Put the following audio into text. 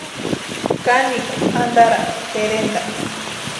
Kanikwa antaratʼi terentapu.